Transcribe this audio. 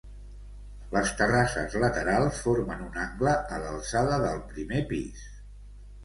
Les terrasses laterals formen un angle, a l'alçada del primer pis.